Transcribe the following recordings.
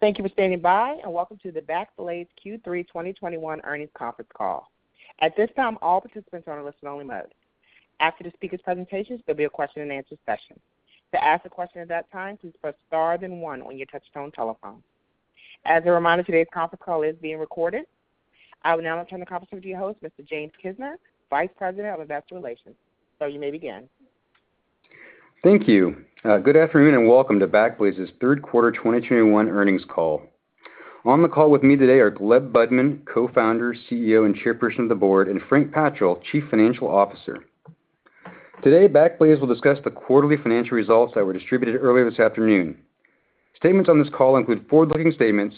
Thank you for standing by, and welcome to the Backblaze Q3 2021 earnings conference call. At this time, all participants are in listen only mode. After the speakers' presentations, there'll be a question and answer session. To ask a question at that time, please press star then one on your touchtone telephone. As a reminder, today's conference call is being recorded. I will now turn the conference over to your host, Mr. James Kisner, Vice President of Investor Relations. Sir, you may begin. Thank you. Good afternoon and welcome to Backblaze's third quarter 2021 earnings call. On the call with me today are Gleb Budman, Co-founder, CEO, and Chairperson of the Board, and Frank Patchel, Chief Financial Officer. Today, Backblaze will discuss the quarterly financial results that were distributed earlier this afternoon. Statements on this call include forward-looking statements,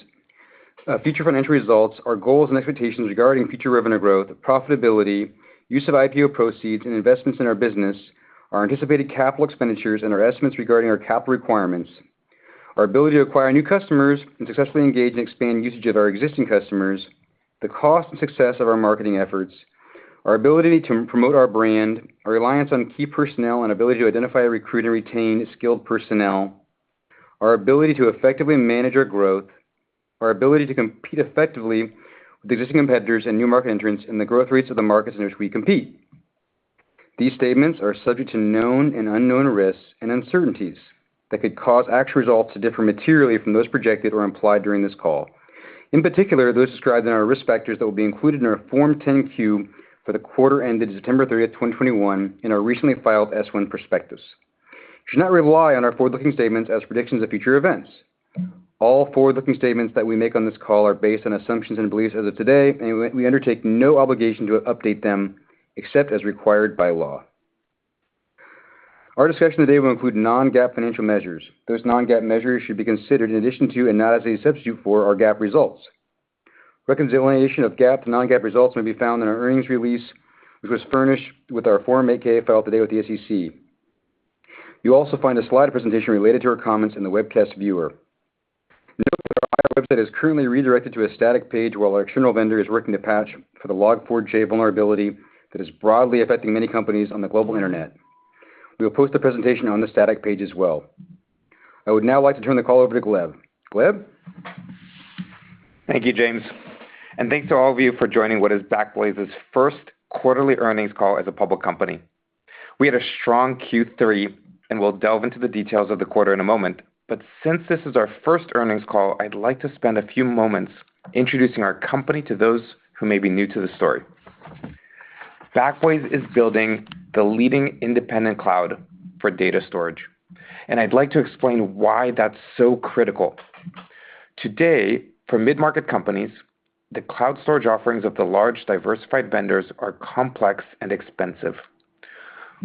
future financial results, our goals and expectations regarding future revenue growth, profitability, use of IPO proceeds, and investments in our business, our anticipated capital expenditures and our estimates regarding our capital requirements, our ability to acquire new customers and successfully engage and expand usage of our existing customers, the cost and success of our marketing efforts, our ability to promote our brand, our reliance on key personnel, and ability to identify, recruit, and retain skilled personnel, our ability to effectively manage our growth, our ability to compete effectively with existing competitors and new market entrants, and the growth rates of the markets in which we compete. These statements are subject to known and unknown risks and uncertainties that could cause actual results to differ materially from those projected or implied during this call. In particular, those described in our risk factors that will be included in our Form 10-Q for the quarter ended September 30th, 2021 in our recently filed S-1 prospectus. You should not rely on our forward-looking statements as predictions of future events. All forward-looking statements that we make on this call are based on assumptions and beliefs as of today, and we undertake no obligation to update them except as required by law. Our discussion today will include non-GAAP financial measures. Those non-GAAP measures should be considered in addition to and not as a substitute for our GAAP results. Reconciliation of GAAP to non-GAAP results may be found in our earnings release, which was furnished with our Form 8-K filed today with the SEC. You'll also find a slide presentation related to our comments in the webcast viewer. Note that our IR website is currently redirected to a static page while our external vendor is working to patch for the Log4j vulnerability that is broadly affecting many companies on the global internet. We will post the presentation on the static page as well. I would now like to turn the call over to Gleb. Gleb? Thank you, James, and thanks to all of you for joining what is Backblaze's first quarterly earnings call as a public company. We had a strong Q3, and we'll delve into the details of the quarter in a moment. Since this is our first earnings call, I'd like to spend a few moments introducing our company to those who may be new to the story. Backblaze is building the leading independent cloud for data storage, and I'd like to explain why that's so critical. Today, for mid-market companies, the cloud storage offerings of the large diversified vendors are complex and expensive.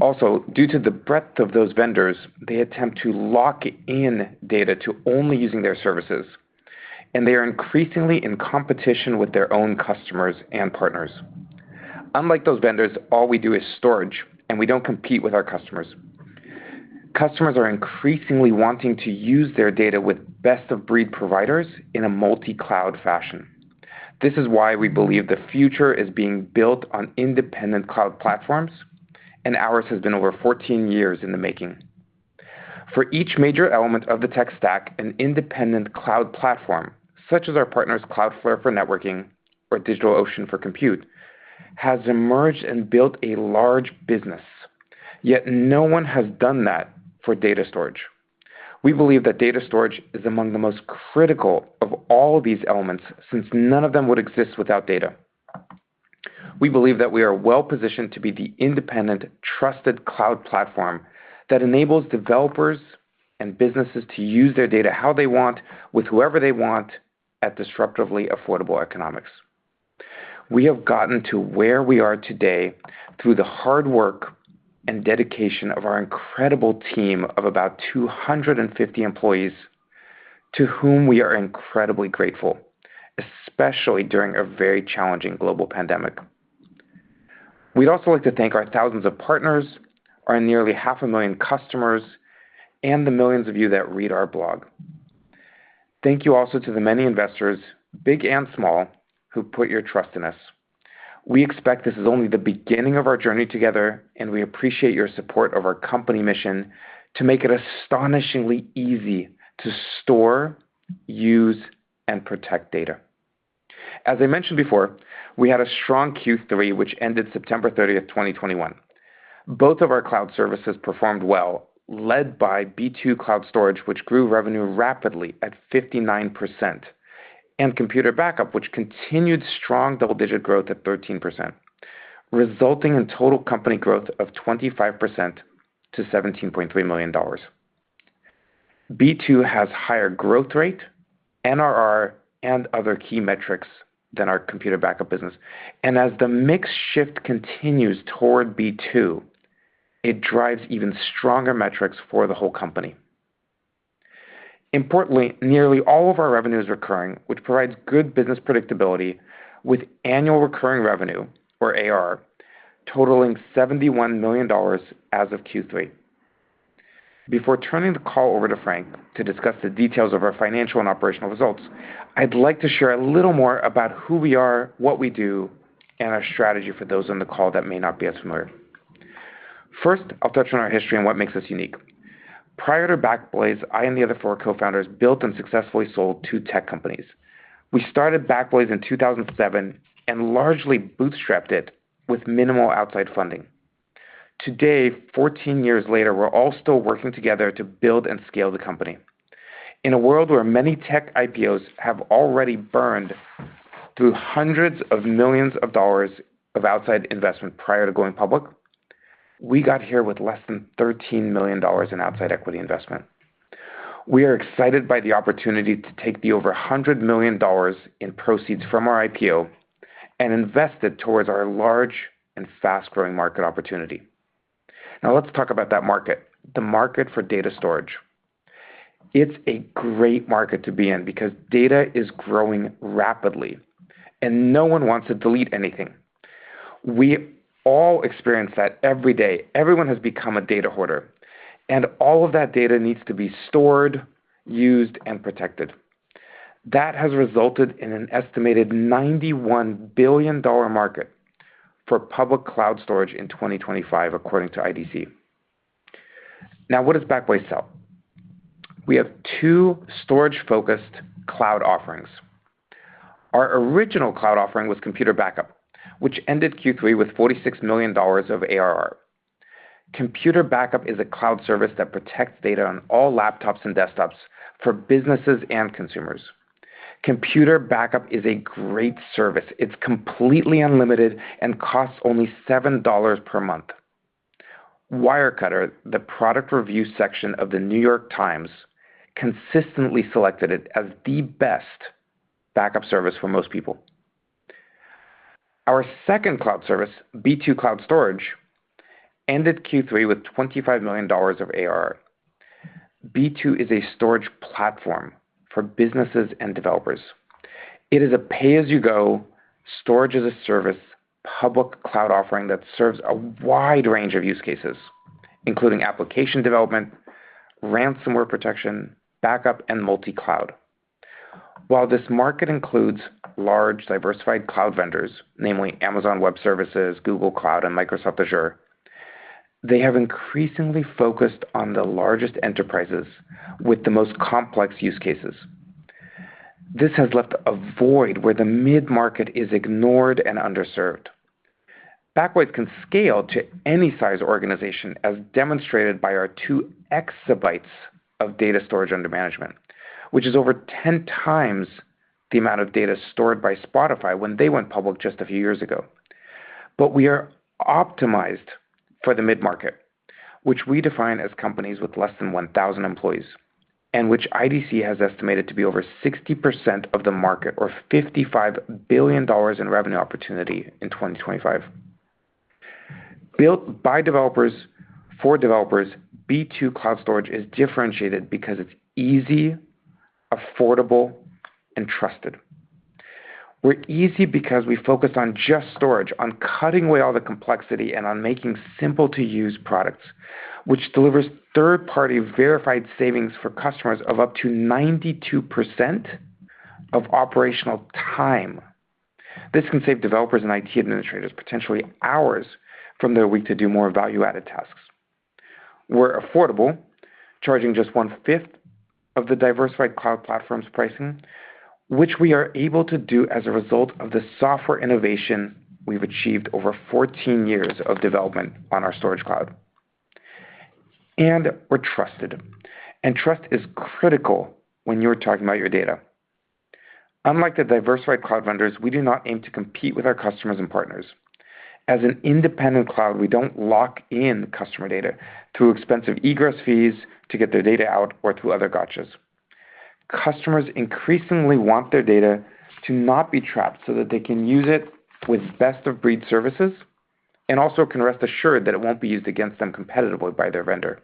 Also, due to the breadth of those vendors, they attempt to lock in data to only using their services, and they are increasingly in competition with their own customers and partners. Unlike those vendors, all we do is storage, and we don't compete with our customers. Customers are increasingly wanting to use their data with best-of-breed providers in a multi-cloud fashion. This is why we believe the future is being built on independent cloud platforms, and ours has been over 14 years in the making. For each major element of the tech stack, an independent cloud platform, such as our partners Cloudflare for networking or DigitalOcean for compute, has emerged and built a large business. Yet no one has done that for data storage. We believe that data storage is among the most critical of all these elements, since none of them would exist without data. We believe that we are well-positioned to be the independent, trusted cloud platform that enables developers and businesses to use their data how they want with whoever they want at disruptively affordable economics. We have gotten to where we are today through the hard work and dedication of our incredible team of about 250 employees, to whom we are incredibly grateful, especially during a very challenging global pandemic. We'd also like to thank our thousands of partners, our nearly 500,000 customers, and the millions of you that read our blog. Thank you also to the many investors, big and small, who put your trust in us. We expect this is only the beginning of our journey together, and we appreciate your support of our company mission to make it astonishingly easy to store, use, and protect data. As I mentioned before, we had a strong Q3, which ended September 30th, 2021. Both of our cloud services performed well, led by B2 Cloud Storage, which grew revenue rapidly at 59%, and Computer Backup, which continued strong double-digit growth at 13%, resulting in total company growth of 25% to $17.3 million. B2 has higher growth rate, NRR, and other key metrics than our Computer Backup business. As the mix shift continues toward B2, it drives even stronger metrics for the whole company. Importantly, nearly all of our revenue is recurring, which provides good business predictability with annual recurring revenue, or ARR, totaling $71 million as of Q3. Before turning the call over to Frank to discuss the details of our financial and operational results, I'd like to share a little more about who we are, what we do, and our strategy for those on the call that may not be as familiar. First, I'll touch on our history and what makes us unique. Prior to Backblaze, I and the other four co-founders built and successfully sold two tech companies. We started Backblaze in 2007, and largely bootstrapped it with minimal outside funding. Today, 14 years later, we're all still working together to build and scale the company. In a world where many tech IPOs have already burned through hundreds of millions of dollars of outside investment prior to going public, we got here with less than $13 million in outside equity investment. We are excited by the opportunity to take the over $100 million in proceeds from our IPO and invest it towards our large and fast-growing market opportunity. Now let's talk about that market, the market for data storage. It's a great market to be in because data is growing rapidly, and no one wants to delete anything. We all experience that every day. Everyone has become a data hoarder, and all of that data needs to be stored, used, and protected. That has resulted in an estimated $91 billion market for public cloud storage in 2025, according to IDC. Now, what does Backblaze sell? We have two storage-focused cloud offerings. Our original cloud offering was Computer Backup, which ended Q3 with $46 million of ARR. Computer Backup is a cloud service that protects data on all laptops and desktops for businesses and consumers. Computer Backup is a great service. It's completely unlimited and costs only $7 per month. Wirecutter, the product review section of The New York Times, consistently selected it as the best backup service for most people. Our second cloud service, B2 Cloud Storage, ended Q3 with $25 million of ARR. B2 is a storage platform for businesses and developers. It is a pay-as-you-go, storage-as-a-service public cloud offering that serves a wide range of use cases, including application development, ransomware protection, backup, and multi-cloud. While this market includes large, diversified cloud vendors, namely Amazon Web Services, Google Cloud, and Microsoft Azure, they have increasingly focused on the largest enterprises with the most complex use cases. This has left a void where the mid-market is ignored and underserved. Backblaze can scale to any size organization, as demonstrated by our 2 exabytes of data storage under management, which is over 10x the amount of data stored by Spotify when they went public just a few years ago. We are optimized for the mid-market, which we define as companies with less than 1,000 employees, and which IDC has estimated to be over 60% of the market or $55 billion in revenue opportunity in 2025. Built by developers for developers, B2 Cloud Storage is differentiated because it's easy, affordable, and trusted. We're easy because we focus on just storage, on cutting away all the complexity, and on making simple-to-use products, which delivers third-party verified savings for customers of up to 92% of operational time. This can save developers and IT administrators potentially hours from their week to do more value-added tasks. We're affordable, charging just one-fifth of the diversified cloud platforms pricing, which we are able to do as a result of the software innovation we've achieved over 14 years of development on our storage cloud. We're trusted, and trust is critical when you're talking about your data. Unlike the diversified cloud vendors, we do not aim to compete with our customers and partners. As an independent cloud, we don't lock in customer data through expensive egress fees to get their data out or through other gotchas. Customers increasingly want their data to not be trapped so that they can use it with best-of-breed services and also can rest assured that it won't be used against them competitively by their vendor.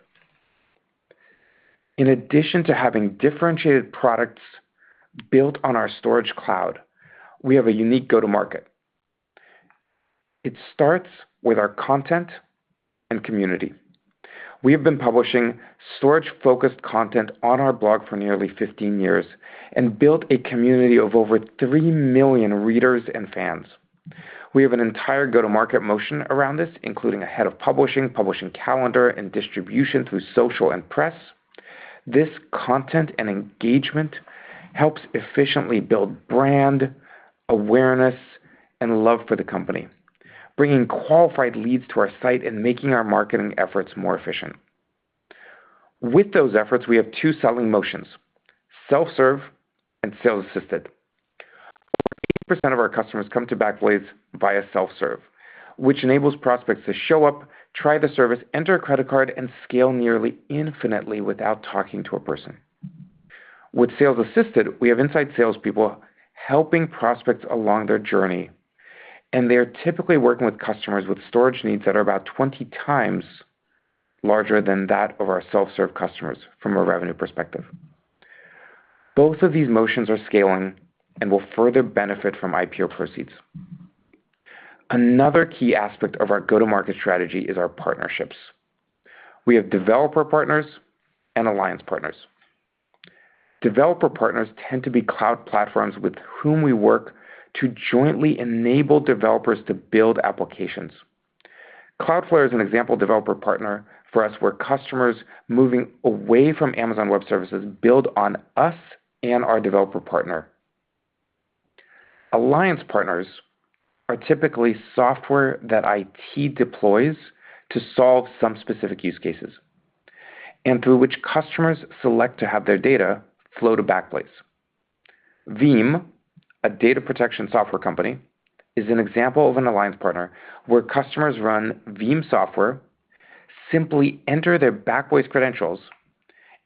In addition to having differentiated products built on our storage cloud, we have a unique go-to-market. It starts with our content and community. We have been publishing storage-focused content on our blog for nearly 15 years and built a community of over 3 million readers and fans. We have an entire go-to-market motion around this, including a head of publishing calendar, and distribution through social and press. This content and engagement helps efficiently build brand awareness and love for the company, bringing qualified leads to our site and making our marketing efforts more efficient. With those efforts, we have two selling motions: self-serve and sales assisted. Over 80% of our customers come to Backblaze via self-serve, which enables prospects to show up, try the service, enter a credit card, and scale nearly infinitely without talking to a person. With sales-assisted, we have inside salespeople helping prospects along their journey, and they are typically working with customers with storage needs that are about 20 times larger than that of our self-serve customers from a revenue perspective. Both of these motions are scaling and will further benefit from IPO proceeds. Another key aspect of our go-to-market strategy is our partnerships. We have developer partners and alliance partners. Developer partners tend to be cloud platforms with whom we work to jointly enable developers to build applications. Cloudflare is an example developer partner for us, where customers moving away from Amazon Web Services build on us and our developer partner. Alliance partners are typically software that IT deploys to solve some specific use cases, and through which customers select to have their data flow to Backblaze. Veeam, a data protection software company, is an example of an alliance partner where customers run Veeam software, simply enter their Backblaze credentials,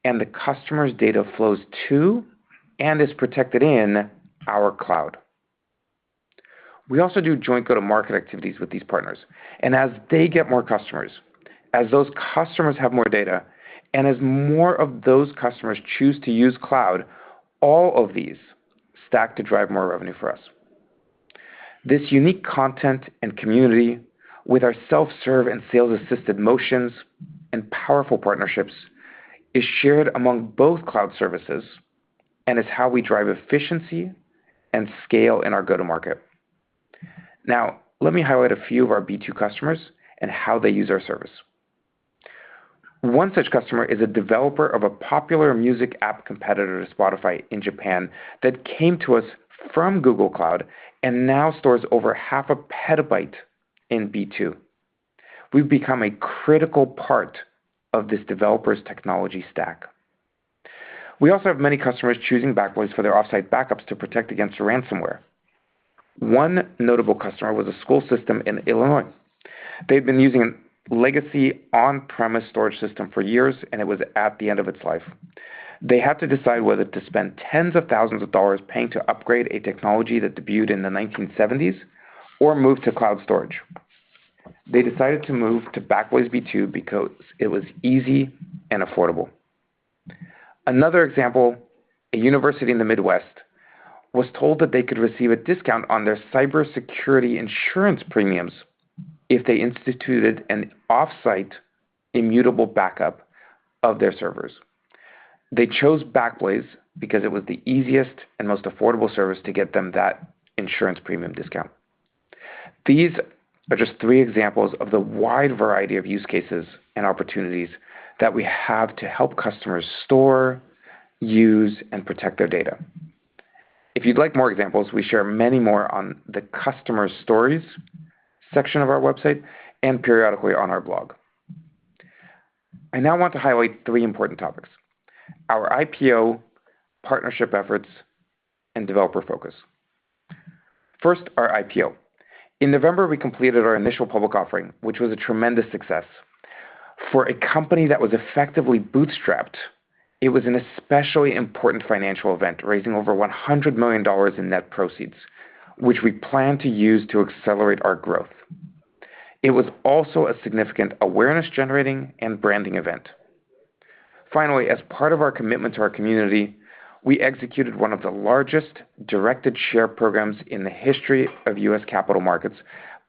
and the customer's data flows to and is protected in our cloud. We also do joint go-to-market activities with these partners, and as they get more customers, as those customers have more data, and as more of those customers choose to use cloud, all of these stack to drive more revenue for us. This unique content and community with our self-serve and sales-assisted motions and powerful partnerships is shared among both cloud services and is how we drive efficiency and scale in our go-to-market. Now, let me highlight a few of our B2 customers and how they use our service. One such customer is a developer of a popular music app competitor to Spotify in Japan that came to us from Google Cloud and now stores over half a petabyte in B2. We've become a critical part of this developer's technology stack. We also have many customers choosing Backblaze for their off-site backups to protect against ransomware. One notable customer was a school system in Illinois. They'd been using a legacy on-premises storage system for years, and it was at the end of its life. They had to decide whether to spend tens of thousands of dollars paying to upgrade a technology that debuted in the 1970s or move to cloud storage. They decided to move to Backblaze B2 because it was easy and affordable. Another example, a university in the Midwest was told that they could receive a discount on their cybersecurity insurance premiums if they instituted an off-site immutable backup of their servers. They chose Backblaze because it was the easiest and most affordable service to get them that insurance premium discount. These are just three examples of the wide variety of use cases and opportunities that we have to help customers store, use, and protect their data. If you'd like more examples, we share many more on the Customer Stories section of our website and periodically on our blog. I now want to highlight three important topics, our IPO, partnership efforts, and developer focus. First, our IPO. In November, we completed our initial public offering, which was a tremendous success. For a company that was effectively bootstrapped, it was an especially important financial event, raising over $100 million in net proceeds, which we plan to use to accelerate our growth. It was also a significant awareness-generating and branding event. Finally, as part of our commitment to our community, we executed one of the largest directed share programs in the history of U.S. capital markets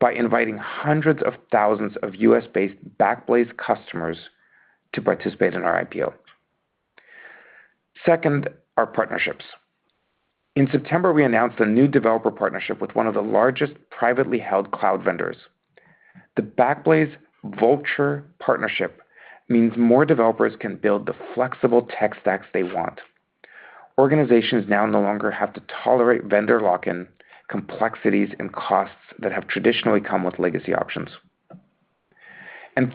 by inviting hundreds of thousands of U.S.-based Backblaze customers to participate in our IPO. Second, our partnerships. In September, we announced a new developer partnership with one of the largest privately held cloud vendors. The Backblaze-Vultr partnership means more developers can build the flexible tech stacks they want. Organizations now no longer have to tolerate vendor lock-in, complexities, and costs that have traditionally come with legacy options.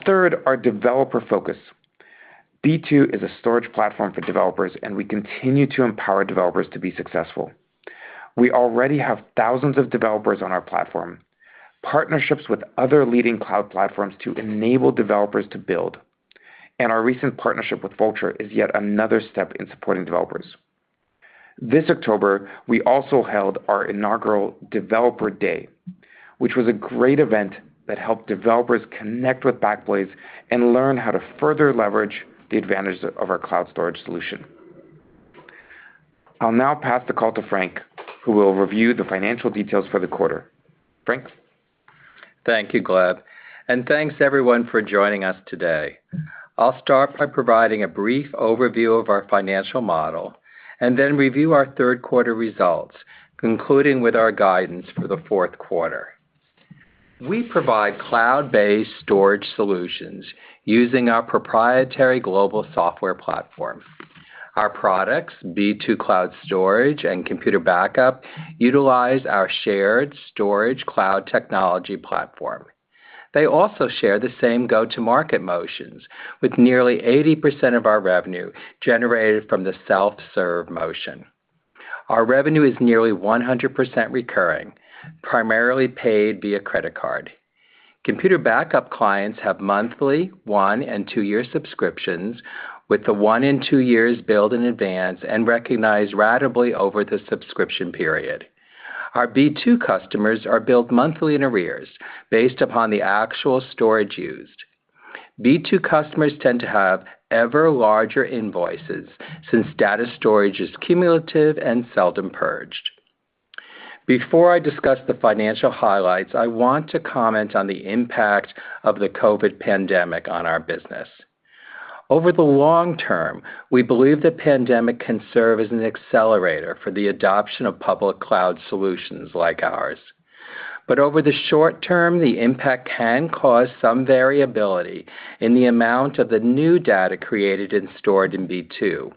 Third, our developer focus. B2 is a storage platform for developers, and we continue to empower developers to be successful. We already have thousands of developers on our platform, partnerships with other leading cloud platforms to enable developers to build. Our recent partnership with Vultr is yet another step in supporting developers. This October, we also held our inaugural Developer Day, which was a great event that helped developers connect with Backblaze and learn how to further leverage the advantages of our cloud storage solution. I'll now pass the call to Frank, who will review the financial details for the quarter. Frank? Thank you, Gleb, and thanks everyone for joining us today. I'll start by providing a brief overview of our financial model and then review our third quarter results, concluding with our guidance for the fourth quarter. We provide cloud-based storage solutions using our proprietary global software platform. Our products, B2 Cloud Storage and Computer Backup, utilize our shared storage cloud technology platform. They also share the same go-to-market motions, with nearly 80% of our revenue generated from the self-serve motion. Our revenue is nearly 100% recurring, primarily paid via credit card. Computer Backup clients have monthly, one, and two-year subscriptions, with the one and two-year subscriptions billed in advance and recognized ratably over the subscription period. Our B2 customers are billed monthly in arrears based upon the actual storage used. B2 customers tend to have ever larger invoices since data storage is cumulative and seldom purged. Before I discuss the financial highlights, I want to comment on the impact of the COVID pandemic on our business. Over the long term, we believe the pandemic can serve as an accelerator for the adoption of public cloud solutions like ours. Over the short term, the impact can cause some variability in the amount of the new data created and stored in B2,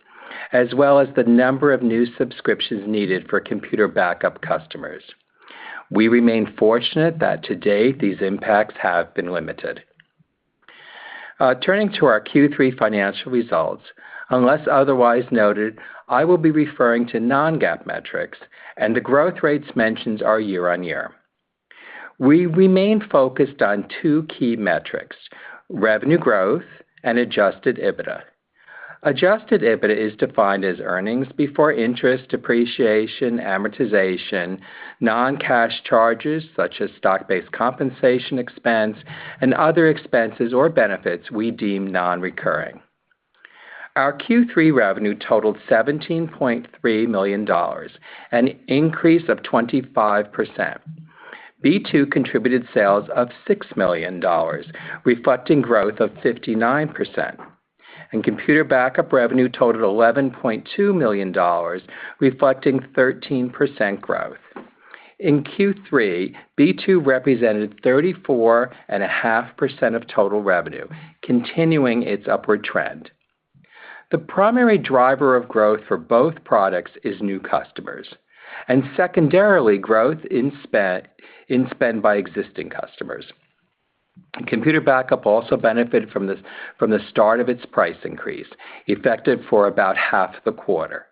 as well as the number of new subscriptions needed for Computer Backup customers. We remain fortunate that to date, these impacts have been limited. Turning to our Q3 financial results, unless otherwise noted, I will be referring to non-GAAP metrics, and the growth rates mentioned are year-over-year. We remain focused on two key metrics, revenue growth and adjusted EBITDA. Adjusted EBITDA is defined as earnings before interest, depreciation, amortization, non-cash charges such as stock-based compensation expense, and other expenses or benefits we deem non-recurring. Our Q3 revenue totaled $17.3 million, an increase of 25%. B2 contributed sales of $6 million, reflecting growth of 59%. Computer Backup revenue totaled $11.2 million, reflecting 13% growth. In Q3, B2 represented 34.5% of total revenue, continuing its upward trend. The primary driver of growth for both products is new customers, and secondarily, growth in expansion spend by existing customers. Computer Backup also benefited from the start of its price increase, effective for about half the quarter.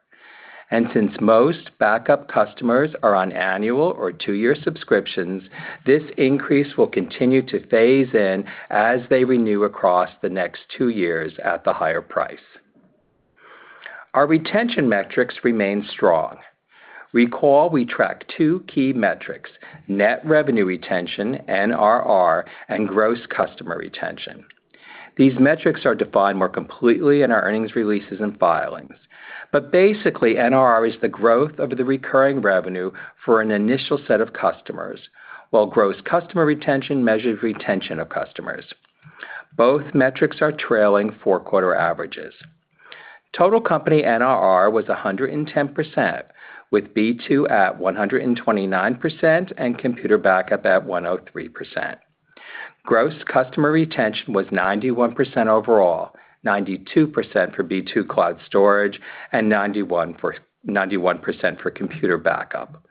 Since most backup customers are on annual or two-year subscriptions, this increase will continue to phase in as they renew across the next two years at the higher price. Our retention metrics remain strong. Recall we track two key metrics, net revenue retention, NRR, and gross customer retention. These metrics are defined more completely in our earnings releases and filings. Basically, NRR is the growth of the recurring revenue for an initial set of customers, while gross customer retention measures retention of customers. Both metrics are trailing four quarter averages. Total company NRR was 110%, with B2 at 129% and Computer Backup at 103%. Gross customer retention was 91% overall, 92% for B2 Cloud Storage, and 91% for Computer Backup.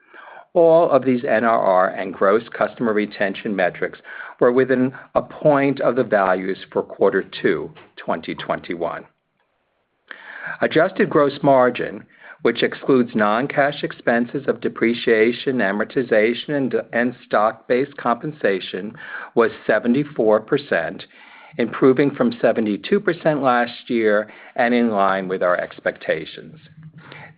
All of these NRR and gross customer retention metrics were within a point of the values for quarter two, 2021. Adjusted gross margin, which excludes non-cash expenses of depreciation, amortization, and stock-based compensation, was 74%, improving from 72% last year and in line with our expectations.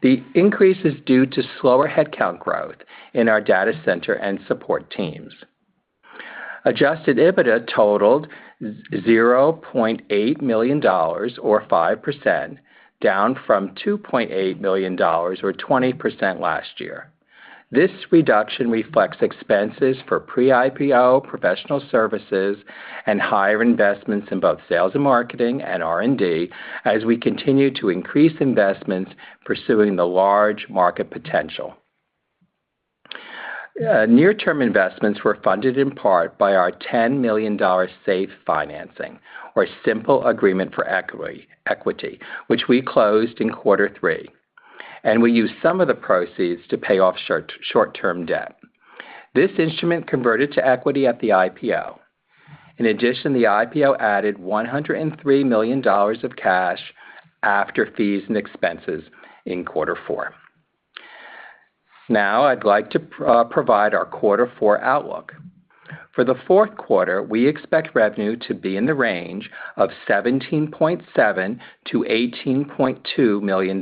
The increase is due to slower headcount growth in our data center and support teams. Adjusted EBITDA totaled $0.8 million or 5%, down from $2.8 million or 20% last year. This reduction reflects expenses for pre-IPO professional services and higher investments in both sales and marketing and R&D as we continue to increase investments pursuing the large market potential. Near-term investments were funded in part by our $10 million SAFE financing, or simple agreement for equity, which we closed in quarter three. We used some of the proceeds to pay off short-term debt. This instrument converted to equity at the IPO. In addition, the IPO added $103 million of cash after fees and expenses in quarter four. Now I'd like to provide our quarter four outlook. For the fourth quarter, we expect revenue to be in the range of $17.7 million-$18.2 million.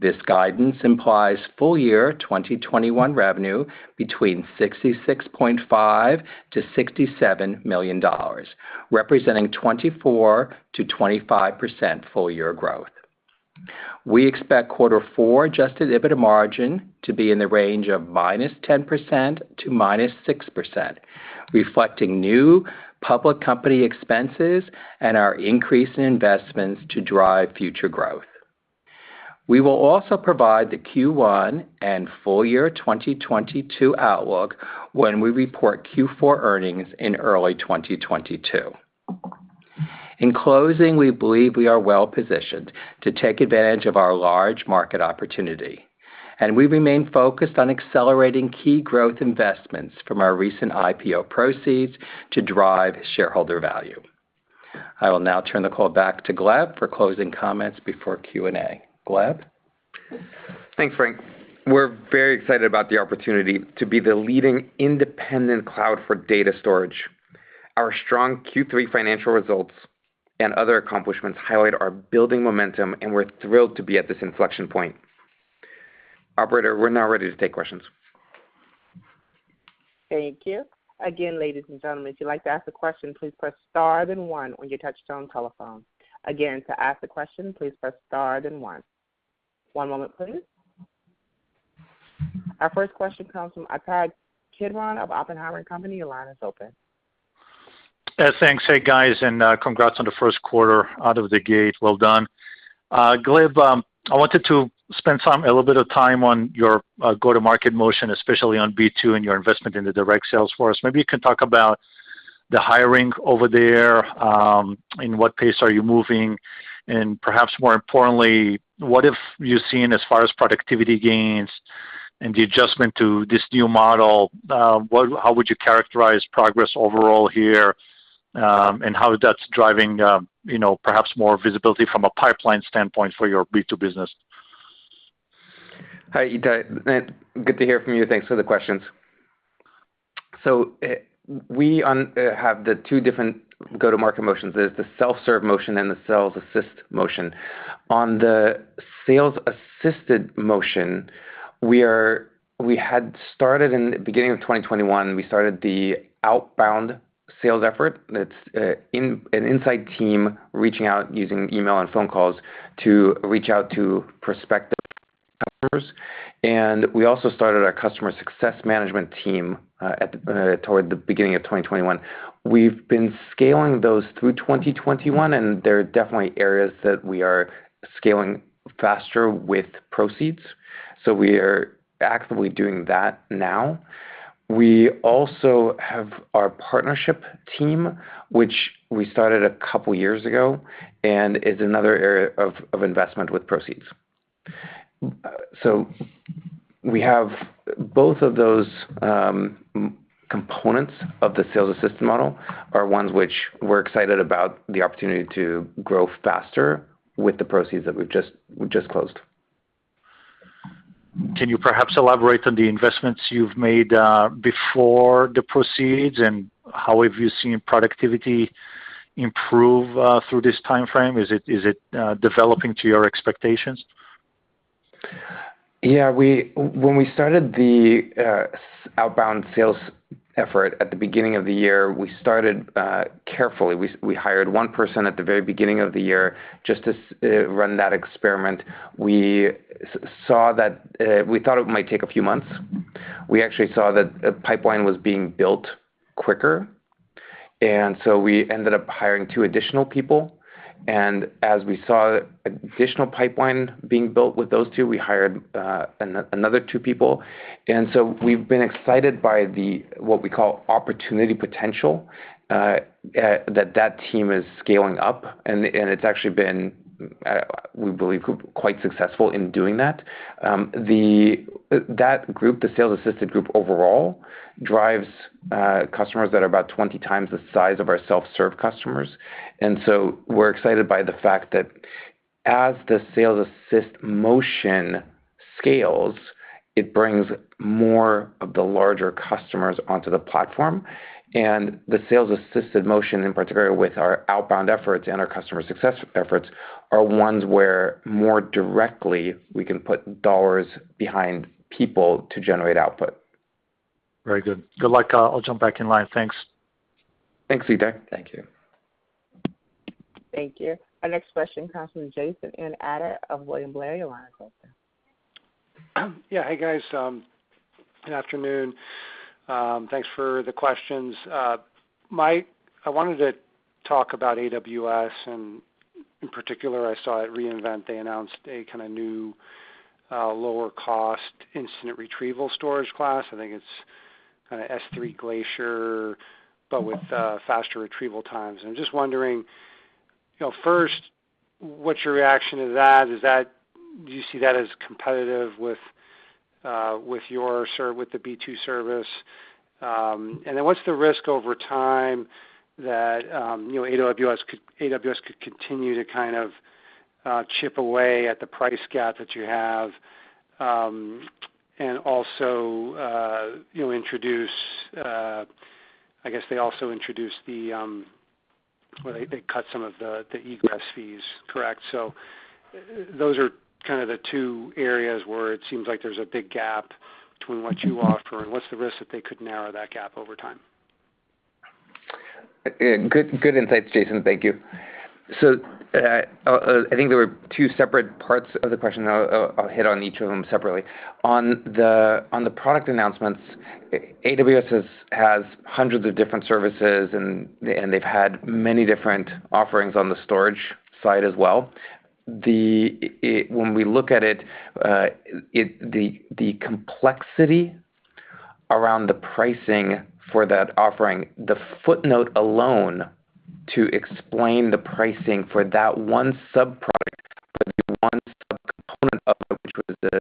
This guidance implies full year 2021 revenue between $66.5 million-$67 million, representing 24%-25% full year growth. We expect quarter four adjusted EBITDA margin to be in the range of -10% to -6%, reflecting new public company expenses and our increase in investments to drive future growth. We will also provide the Q1 and full year 2022 outlook when we report Q4 earnings in early 2022. In closing, we believe we are well-positioned to take advantage of our large market opportunity, and we remain focused on accelerating key growth investments from our recent IPO proceeds to drive shareholder value. I will now turn the call back to Gleb for closing comments before Q&A. Gleb? Thanks, Frank. We're very excited about the opportunity to be the leading independent cloud for data storage. Our strong Q3 financial results and other accomplishments highlight our building momentum, and we're thrilled to be at this inflection point. Operator, we're now ready to take questions. Thank you. Again, ladies and gentlemen, if you'd like to ask a question, please press star then one on your touchtone telephone. Again, to ask a question, please press star then one. One moment please. Our first question comes from Ittai Kidron of Oppenheimer & Co. Your line is open. Thanks. Hey, guys, and congrats on the first quarter out of the gate. Well done. Gleb, I wanted to spend a little bit of time on your go-to-market motion, especially on B2 and your investment in the direct sales force. Maybe you can talk about the hiring over there, and what pace are you moving? Perhaps more importantly, what have you seen as far as productivity gains and the adjustment to this new model? How would you characterize progress overall here, and how that's driving, you know, perhaps more visibility from a pipeline standpoint for your B2 business? Hi, Ittai. Good to hear from you. Thanks for the questions. We have the two different go-to-market motions. There's the self-serve motion and the sales assist motion. On the sales assisted motion, we had started in the beginning of 2021, we started the outbound sales effort. That's an inside team reaching out using email and phone calls to reach out to prospective customers. We also started our customer success management team toward the beginning of 2021. We've been scaling those through 2021, and there are definitely areas that we are scaling faster with proceeds. We are actively doing that now. We also have our partnership team, which we started a couple years ago and is another area of investment with proceeds. We have both of those components of the sales assistant model are ones which we're excited about the opportunity to grow faster with the proceeds that we've just closed. Can you perhaps elaborate on the investments you've made, before the proceeds and how have you seen productivity improve, through this timeframe? Is it developing to your expectations? When we started the outbound sales effort at the beginning of the year, we started carefully. We hired one person at the very beginning of the year just to run that experiment. We saw that we thought it might take a few months. We actually saw that a pipeline was being built quicker, and so we ended up hiring two additional people. As we saw additional pipeline being built with those two, we hired another two people. We've been excited by what we call opportunity potential that team is scaling up and it's actually been we believe quite successful in doing that. That group, the sales assisted group overall, drives customers that are about 20x the size of our self-serve customers. We're excited by the fact that as the sales-assisted motion scales, it brings more of the larger customers onto the platform. The sales-assisted motion, in particular with our outbound efforts and our customer success efforts, are ones where more directly we can put dollars behind people to generate output. Very good. Good luck. I'll jump back in line. Thanks. Thanks, Ittai. Thank you. Thank you. Our next question comes from Jason Ader of William Blair. Your line is open. Yeah. Hey, guys, good afternoon. Thanks for the questions. Mike, I wanted to talk about AWS and in particular I saw at re:Invent, they announced a kinda new, lower cost instant retrieval storage class. I think it's kinda S3 Glacier, but with faster retrieval times. I'm just wondering, you know, first, what's your reaction to that? Is that. Do you see that as competitive with your B2 service? And then what's the risk over time that, you know, AWS could continue to kind of chip away at the price gap that you have, and also, you know, introduce, I guess they also introduced the. Well, they cut some of the egress fees, correct? Those are kind of the two areas where it seems like there's a big gap between what you offer and what's the risk that they could narrow that gap over time. Good insights, Jason. Thank you. I think there were two separate parts of the question. I'll hit on each of them separately. On the product announcements, AWS has hundreds of different services and they've had many different offerings on the storage side as well. When we look at it, the complexity around the pricing for that offering, the footnote alone to explain the pricing for that one sub-product, for the one sub-component of it, which was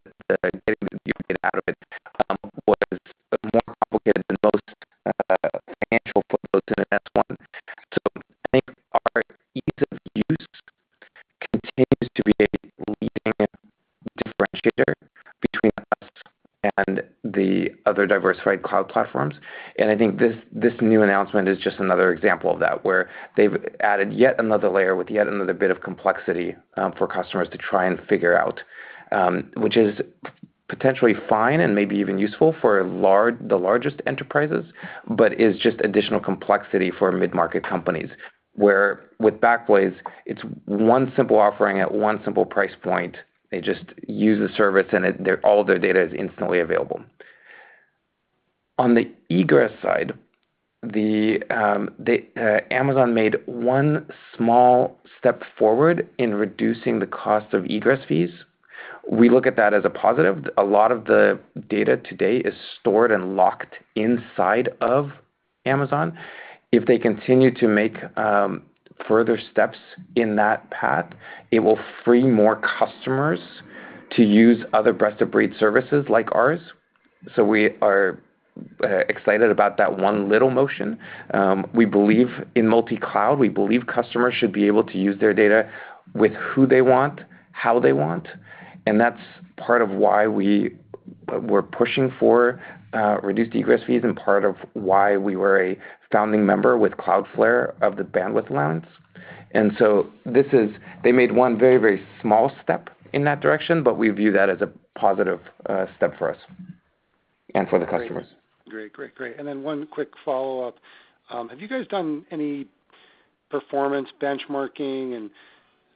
the data that you would get out of it, was more complicated than most financial footnotes in an S-1. I think our ease of use continues to be a leading differentiator between us and the other diversified cloud platforms. I think this new announcement is just another example of that, where they've added yet another layer with yet another bit of complexity, for customers to try and figure out, which is potentially fine and maybe even useful for the largest enterprises, but is just additional complexity for mid-market companies. Where with Backblaze, it's one simple offering at one simple price point. They just use the service, and all of their data is instantly available. On the egress side, Amazon made one small step forward in reducing the cost of egress fees. We look at that as a positive. A lot of the data today is stored and locked inside of Amazon. If they continue to make further steps in that path, it will free more customers to use other best-of-breed services like ours, so we are excited about that one little motion. We believe in multi-cloud. We believe customers should be able to use their data with who they want, how they want, and that's part of why we're pushing for reduced egress fees and part of why we were a founding member with Cloudflare of the Bandwidth Alliance. They made one very small step in that direction, but we view that as a positive step for us and for the customers. Great. One quick follow-up. Have you guys done any performance benchmarking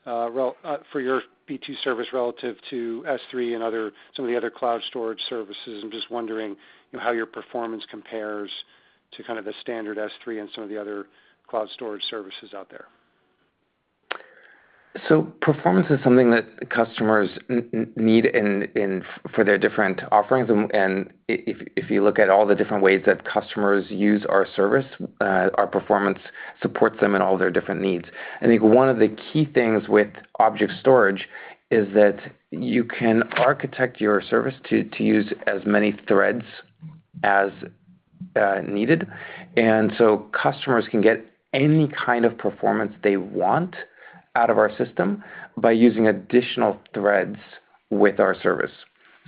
for your B2 service relative to S3 and some of the other cloud storage services? I'm just wondering, you know, how your performance compares to kind of the standard S3 and some of the other cloud storage services out there. Performance is something that customers need for their different offerings. If you look at all the different ways that customers use our service, our performance supports them in all their different needs. I think one of the key things with object storage is that you can architect your service to use as many threads as needed. Customers can get any kind of performance they want out of our system by using additional threads with our service.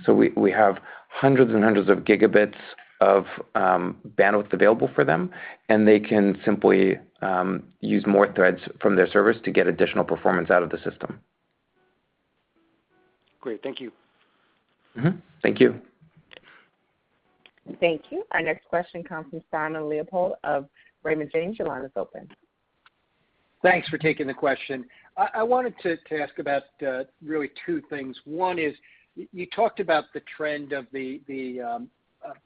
We have hundreds and hundreds of gigabits of bandwidth available for them, and they can simply use more threads from their service to get additional performance out of the system. Great. Thank you. Mm-hmm. Thank you. Thank you. Our next question comes from Simon Leopold of Raymond James. Your line is open. Thanks for taking the question. I wanted to ask about really two things. One is you talked about the trend of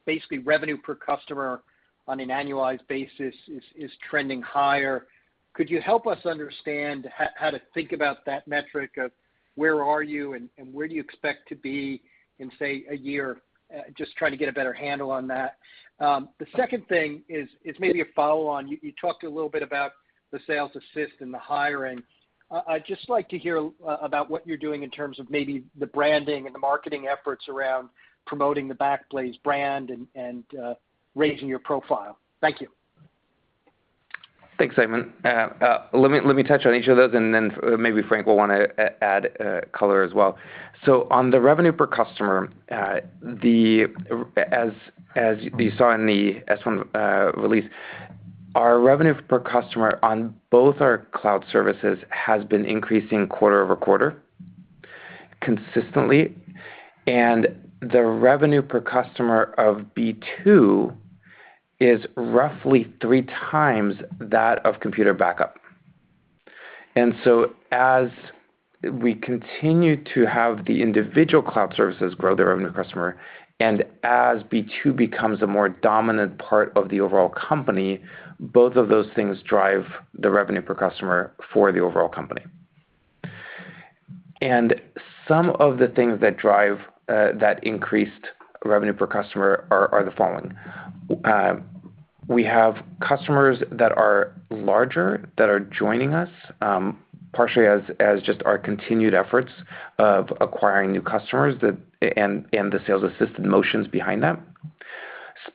basically revenue per customer on an annualized basis is trending higher. Could you help us understand how to think about that metric of where are you and where do you expect to be in, say, a year? Just trying to get a better handle on that. The second thing is maybe a follow on. You talked a little bit about the sales assist and the hiring. I'd just like to hear about what you're doing in terms of maybe the branding and the marketing efforts around promoting the Backblaze brand and raising your profile. Thank you. Thanks, Simon. Let me touch on each of those, and then maybe Frank will wanna add color as well. On the revenue per customer, as you saw in the S-1 release, our revenue per customer on both our cloud services has been increasing quarter-over-quarter consistently, and the revenue per customer of B2 is roughly three times that of Computer Backup. As we continue to have the individual cloud services grow their revenue per customer and as B2 becomes a more dominant part of the overall company, both of those things drive the revenue per customer for the overall company. Some of the things that drive that increased revenue per customer are the following: We have customers that are larger that are joining us, partially as just our continued efforts of acquiring new customers and the sales-assisted motions behind them.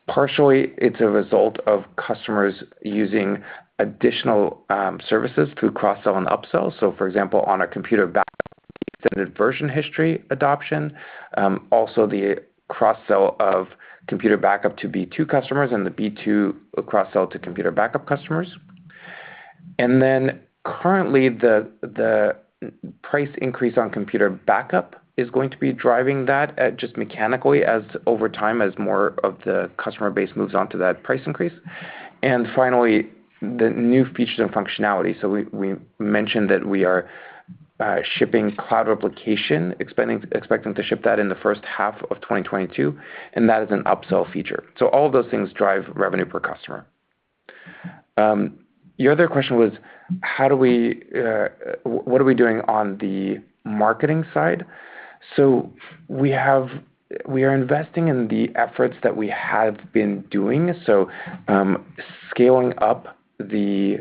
Partially, it's a result of customers using additional services through cross-sell and upsell. For example, on our Computer Backup Extended Version History adoption, also the cross-sell of Computer Backup to B2 customers and the B2 cross-sell to Computer Backup customers. Then currently the price increase on Computer Backup is going to be driving that just mechanically as over time as more of the customer base moves on to that price increase. Finally, the new features and functionality. We mentioned that we are shipping Cloud Replication, expecting to ship that in the first half of 2022, and that is an upsell feature. All of those things drive revenue per customer. Your other question was how do we what are we doing on the marketing side? We are investing in the efforts that we have been doing, scaling up the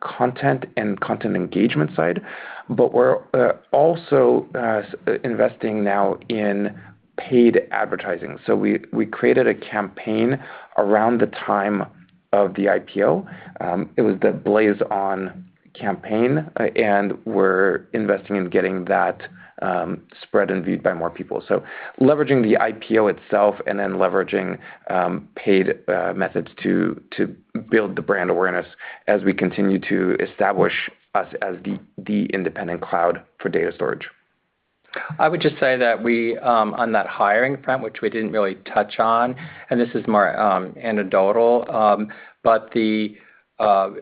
content and content engagement side. But we're also investing now in paid advertising. We created a campaign around the time of the IPO. It was the Blaze On campaign, and we're investing in getting that spread and viewed by more people. Leveraging the IPO itself and then leveraging paid methods to build the brand awareness as we continue to establish us as the independent cloud for data storage. I would just say that we on that hiring front, which we didn't really touch on, and this is more anecdotal, but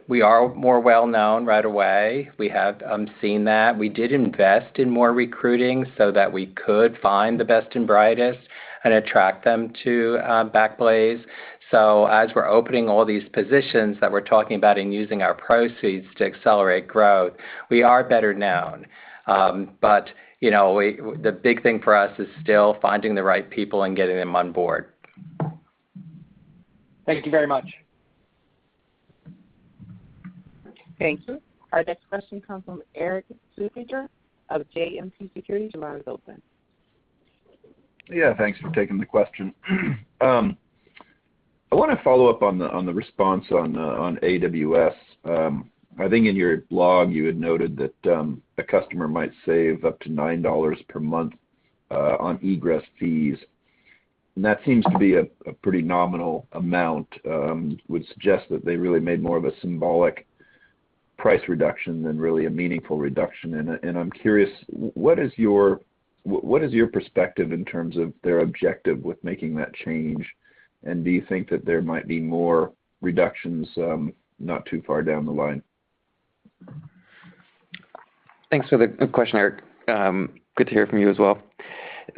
we are more well-known right away. We have seen that. We did invest in more recruiting so that we could find the best and brightest and attract them to Backblaze. As we're opening all these positions that we're talking about and using our proceeds to accelerate growth, we are better known. You know, the big thing for us is still finding the right people and getting them on board. Thank you very much. Thank you. Our next question comes from Erik Suppiger of JMP Securities. Your line is open. Yeah, thanks for taking the question. I want to follow up on the response on AWS. I think in your blog you had noted that a customer might save up to $9 per month on egress fees, and that seems to be a pretty nominal amount, would suggest that they really made more of a symbolic price reduction than really a meaningful reduction. I'm curious, what is your perspective in terms of their objective with making that change? Do you think that there might be more reductions not too far down the line? Thanks for the good question, Eric. Good to hear from you as well.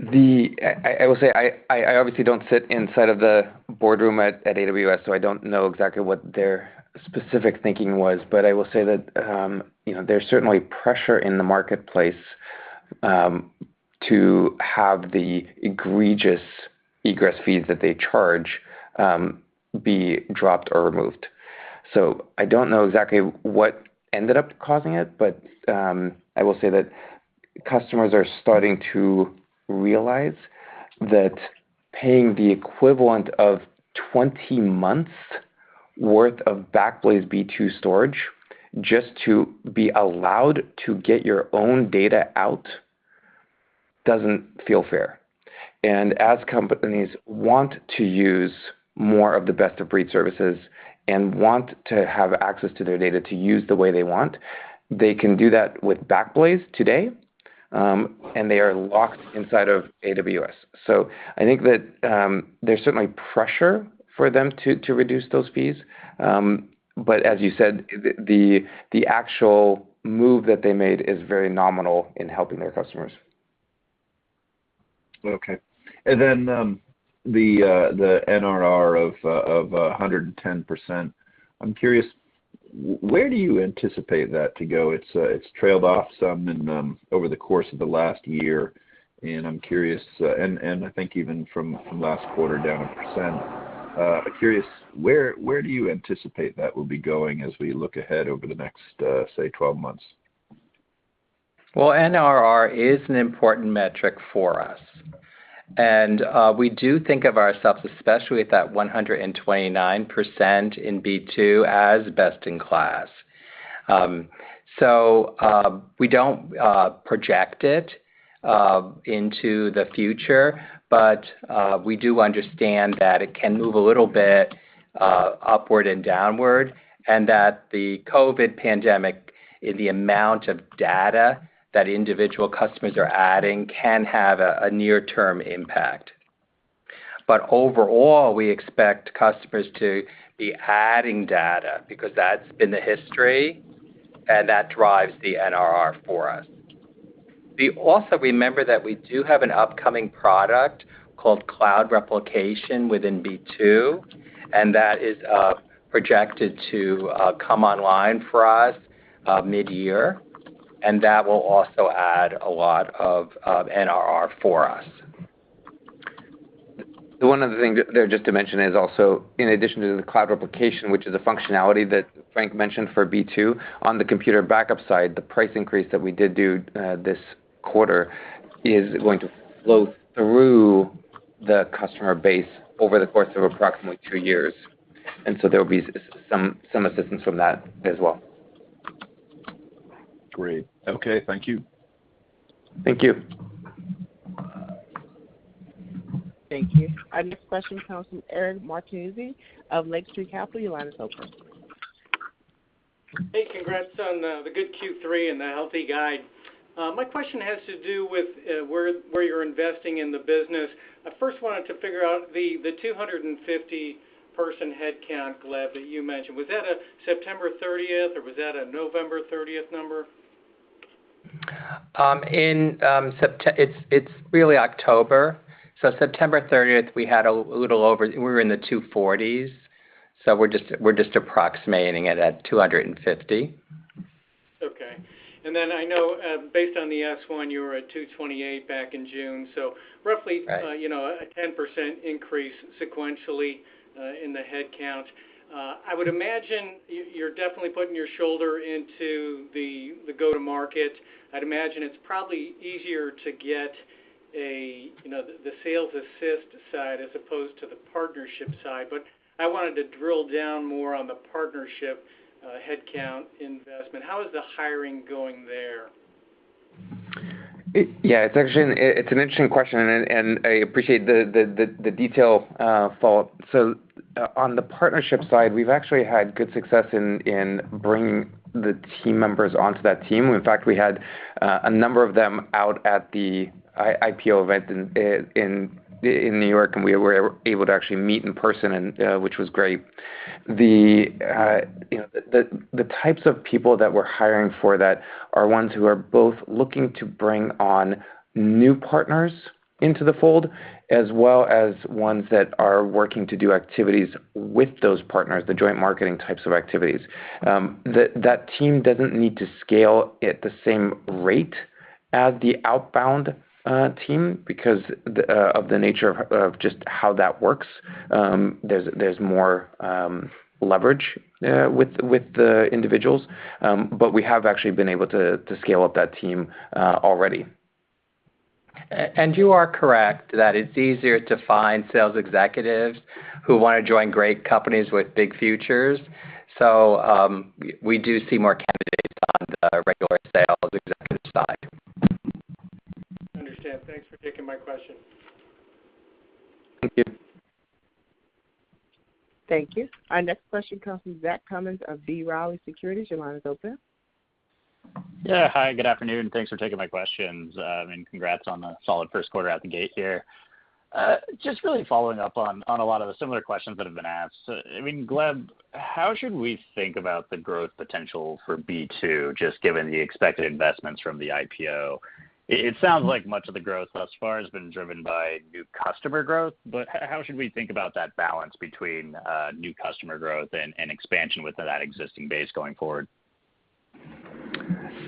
I will say, I obviously don't sit inside of the boardroom at AWS, so I don't know exactly what their specific thinking was. I will say that, you know, there's certainly pressure in the marketplace to have the egregious egress fees that they charge be dropped or removed. I don't know exactly what ended up causing it, but I will say that customers are starting to realize that paying the equivalent of 20 months worth of Backblaze B2 storage just to be allowed to get your own data out doesn't feel fair. As companies want to use more of the best-of-breed services and want to have access to their data to use the way they want, they can do that with Backblaze today, and they are locked inside of AWS. I think that there's certainly pressure for them to reduce those fees. As you said, the actual move that they made is very nominal in helping their customers. Okay. The NRR of 110%, I'm curious, where do you anticipate that to go? It's trailed off some in over the course of the last year, and I'm curious, and I think even from last quarter down 1%, curious where do you anticipate that will be going as we look ahead over the next, say, 12 months? Well, NRR is an important metric for us, and we do think of ourselves, especially with that 129% in B2, as best-in-class. We don't project it into the future, but we do understand that it can move a little bit upward and downward, and that the COVID pandemic in the amount of data that individual customers are adding can have a near-term impact. Overall, we expect customers to be adding data because that's been the history, and that drives the NRR for us. We also remember that we do have an upcoming product called Cloud Replication within B2, and that is projected to come online for us mid-year, and that will also add a lot of NRR for us. One of the things there just to mention is also, in addition to the Cloud Replication, which is a functionality that Frank mentioned for B2, on the Computer Backup side, the price increase that we did do this quarter is going to flow through the customer base over the course of approximately two years. There will be some assistance from that as well. Great. Okay. Thank you. Thank you. Thank you. Our next question comes from Eric Martinuzzi of Lake Street Capital. Your line is open. Hey, congrats on the good Q3 and the healthy guide. My question has to do with where you're investing in the business. I first wanted to figure out the 250-person headcount, Gleb, that you mentioned. Was that a September 30th or a November 30th number? In September, it's really October. September 30th, we were in the 240s, so we're just approximating it at 250. Okay. I know, based on the S-1, you were at $228 back in June, so roughly. Right. You know, a 10% increase sequentially in the headcount. I would imagine you're definitely putting your shoulder into the go-to-market. I'd imagine it's probably easier to get a, you know, the sales assist side as opposed to the partnership side. I wanted to drill down more on the partnership headcount investment. How is the hiring going there? Yeah, it's actually an interesting question, and I appreciate the detailed follow-up. On the partnership side, we've actually had good success in bringing the team members onto that team. In fact, we had a number of them out at the IPO event in New York, and we were able to actually meet in person, which was great. The types of people that we're hiring for that are ones who are both looking to bring on new partners into the fold, as well as ones that are working to do activities with those partners, the joint marketing types of activities. That team doesn't need to scale at the same rate as the outbound team because of the nature of just how that works. There's more leverage with the individuals. We have actually been able to scale up that team already. You are correct that it's easier to find sales executives who wanna join great companies with big futures. We do see more candidates on the regular sales executive side. Understood. Thanks for taking my question. Thank you. Thank you. Our next question comes from Zach Cummins of B. Riley Securities. Your line is open. Yeah, hi, good afternoon. Thanks for taking my questions. And congrats on the solid first quarter out the gate here. Just really following up on a lot of the similar questions that have been asked. I mean, Gleb, how should we think about the growth potential for B2 just given the expected investments from the IPO? It sounds like much of the growth thus far has been driven by new customer growth, but how should we think about that balance between new customer growth and expansion with that existing base going forward?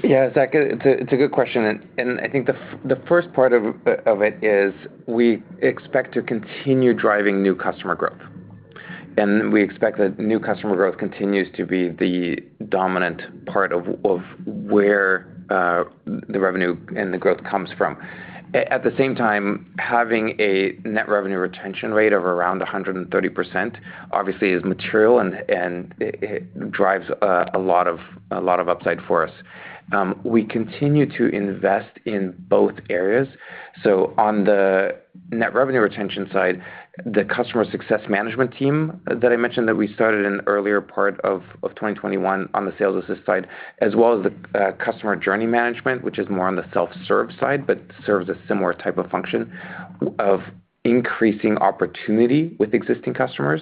Yeah, Zach, it's a good question. I think the first part of it is we expect to continue driving new customer growth. We expect that new customer growth continues to be the dominant part of where the revenue and the growth comes from. At the same time, having a net revenue retention rate of around 130% obviously is material and it drives a lot of upside for us. We continue to invest in both areas. On the net revenue retention side, the customer success management team that I mentioned that we started in earlier part of 2021 on the sales assist side, as well as the customer journey management, which is more on the self-serve side, but serves a similar type of function of increasing opportunity with existing customers,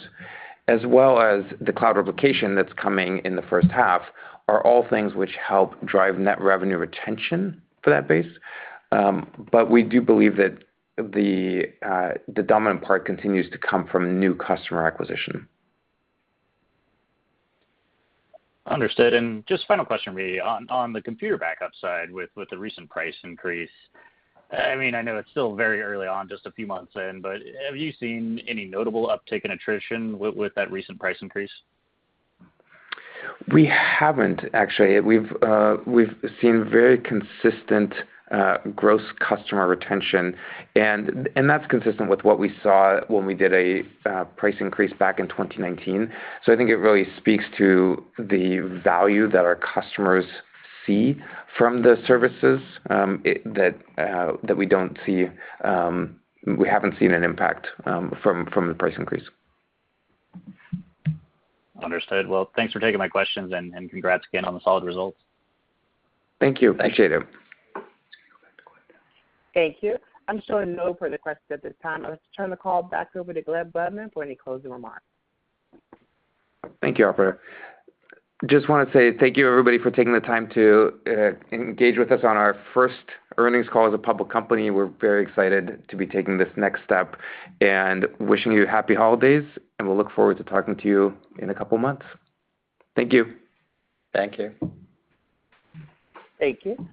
as well as the Cloud Replication that's coming in the first half, are all things which help drive net revenue retention for that base. We do believe that the dominant part continues to come from new customer acquisition. Understood. Just final question maybe. On the Computer Backup side with the recent price increase, I mean, I know it's still very early on, just a few months in, but have you seen any notable uptick in attrition with that recent price increase? We haven't actually. We've seen very consistent gross customer retention and that's consistent with what we saw when we did a price increase back in 2019. I think it really speaks to the value that our customers see from the services that we don't see. We haven't seen an impact from the price increase. Understood. Well, thanks for taking my questions, and congrats again on the solid results. Thank you. I appreciate it. Thank you. I'm showing no further questions at this time. I'll just turn the call back over to Gleb Budman for any closing remarks. Thank you, operator. Just wanna say thank you, everybody, for taking the time to engage with us on our first earnings call as a public company. We're very excited to be taking this next step. Wishing you happy holidays, and we'll look forward to talking to you in a couple months. Thank you. Thank you. Thank you.